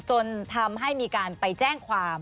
จนทำให้มีการไปแจ้งความ